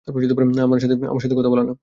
আমার সাথে কথা বলা না।